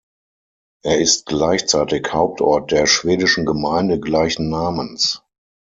Er ist gleichzeitig Hauptort der schwedischen Gemeinde gleichen Namens.